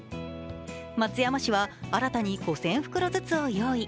松山市は新たに５０００袋ずつを用意。